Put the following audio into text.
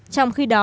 trong khi đó